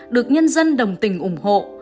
được nhân dân đồng tình ủng hộ